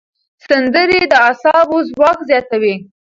سندرې د اعصابو ځواک زیاتوي.